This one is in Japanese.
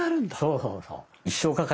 そうそうそう。